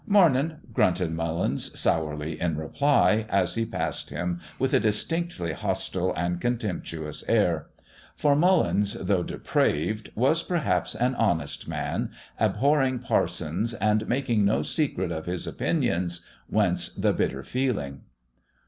"Mornin'!" grunted Mullins sourly in reply, as he passed him with a distinctly hostile and contemptuous air. For Mullins, though depraved, perhaps, was an honest man, abhorring parsons and making no secret of his opinions whence the bitter feeling.